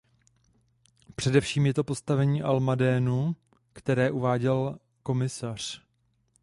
Především je to postavení Almadénu, které uváděl komisař.